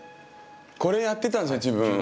これやってたんですか自分。